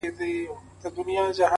د ژوند يې يو قدم سو، شپه خوره سوه خدايه